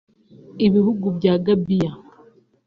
Ibihugu bya Gambiya